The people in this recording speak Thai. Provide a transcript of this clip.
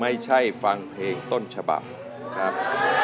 ไม่ใช่ฟังเพลงต้นฉบับครับ